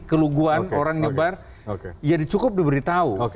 keluguan orang nyebar ya cukup diberitahu